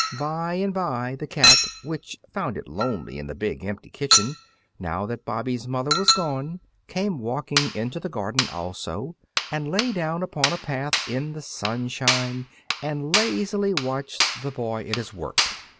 By and by the cat, which found it lonely in the big, empty kitchen, now that Bobby's mother was gone, came walking into the garden also, and lay down upon a path in the sunshine and lazily watched the boy at his work.